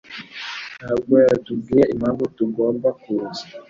ntabwo yatubwiye impamvu tugomba kuza.